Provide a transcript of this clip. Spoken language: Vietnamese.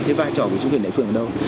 cái vai trò của chính quyền địa phương ở đâu